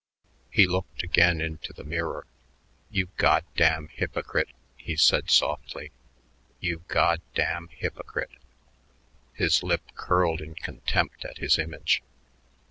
He looked again into the mirror. "You goddamn hypocrite," he said softly; "you goddamn hypocrite." His lip curled in contempt at his image.